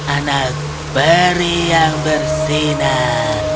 anak perih yang bersinar